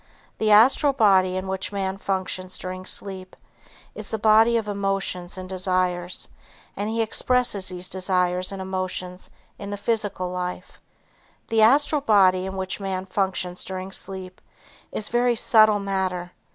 The Astral body in which man functions during sleep is the body of emotions and desires and he expresses these desires and emotions in the physical life. The Astral body in which man functions during sleep is very subtle matter.